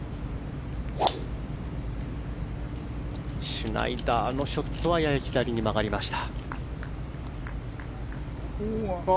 シュナイダーのショットはやや左に曲がりました。